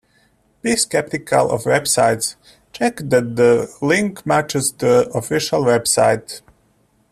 Be skeptical of websites, check that the link matches the official website.